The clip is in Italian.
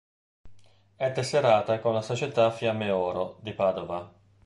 È tesserata con la società Fiamme Oro, di Padova.